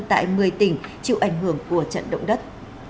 tại một mươi tỉnh chịu ảnh hưởng của trận động đất